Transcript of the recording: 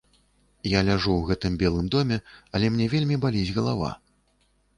Я ляжу ў гэтым белым доме, але мне вельмі баліць галава.